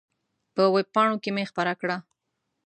په وېب پاڼو کې مې خپره کړه.